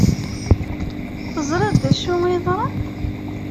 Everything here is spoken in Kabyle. Teẓriḍ d acu i yeḍran?